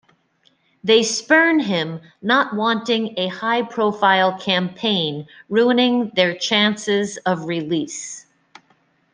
They spurn him, not wanting a high-profile campaign ruining their chances of release.